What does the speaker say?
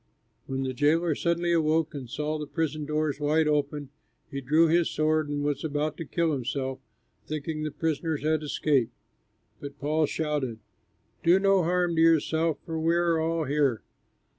When the jailer suddenly awoke and saw the prison doors wide open, he drew his sword and was about to kill himself, thinking the prisoners had escaped. But Paul shouted, "Do no harm to yourself, for we are all here!"